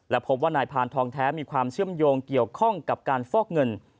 และพบว่านายพานทองแท้มีความเชื่อมโยงเกี่ยวข้องกับการฟอกเงิน